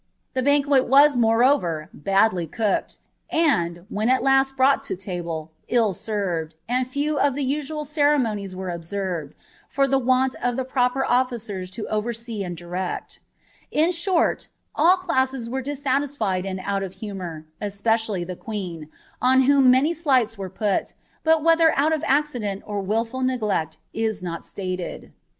Tlie banquet w«s, jtuxtant, badly cooked, and, when al last brought to table, ill served, and frw ■/ I the usual ceremonies were observed, for the want of the proper <ificai to oversee and direct In short, all classes were dissadefied and ootif hiiinuur, especially the queen, on whom many slights nen poSlS whether out of accident or wilful neglect is not sl«ted.